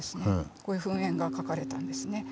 こういう噴煙が描かれたんですね。